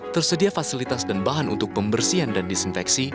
tersedia fasilitas dan bahan untuk pembersihan dan disinfeksi